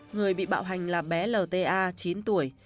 người bị bạo hành là bé lta chín tuổi